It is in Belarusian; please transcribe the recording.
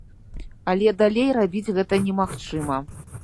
Але далей рабіць гэта немагчыма.